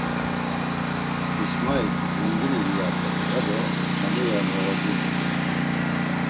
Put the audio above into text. İsmaik 'Zengini viyatere' ya do Tanura moğordinams.